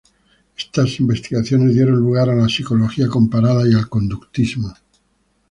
Estas investigaciones dieron lugar a la psicología comparada y al conductismo.